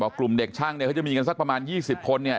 กลุ่มเด็กช่างเนี่ยเขาจะมีกันสักประมาณ๒๐คนเนี่ย